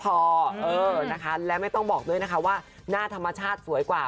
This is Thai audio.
เออนะคะและไม่ต้องบอกด้วยนะคะว่าหน้าธรรมชาติสวยกว่า